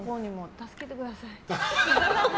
助けてください。